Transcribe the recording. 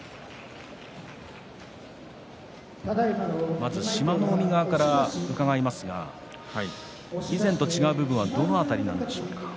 まず志摩ノ海側から伺いますが以前と違う部分はどの辺りにありますか？